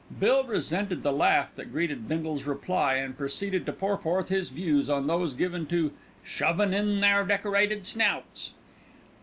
Bill resented the laugh that greeted Bindle's reply, and proceeded to pour forth his views on those given to "shovin' in their decorated snouts."